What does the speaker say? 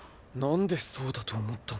何でそうだと思ったの？